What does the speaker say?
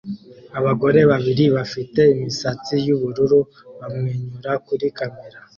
Abagore babiri bafite imisatsi yubururu bamwenyura kuri kamera